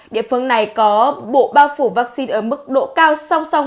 địa phương này có bộ bao phủ vaccine ở mức độ cao song song